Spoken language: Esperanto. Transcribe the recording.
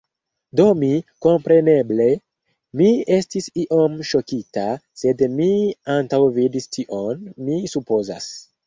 Do mi, kompreneble, mi estis iom ŝokita, sed mi antaŭvidis tion, mi supozas.